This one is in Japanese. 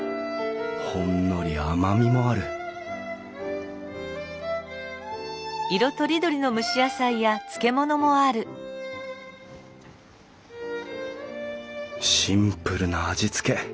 ほんのり甘みもあるシンプルな味つけ。